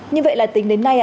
như vậy là tính đến nay